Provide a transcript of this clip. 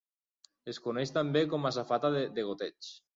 Es coneix també com a safata de degoteig.